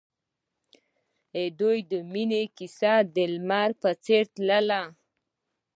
د دوی د مینې کیسه د لمر په څېر تلله.